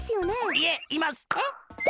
いえいます。